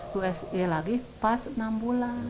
dua se lagi pas enam bulan